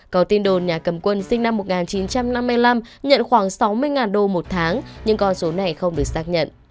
có tin đồn nhà cầm quân sinh năm một nghìn chín trăm năm mươi năm nhận khoảng sáu mươi đô một tháng nhưng con số này không được xác nhận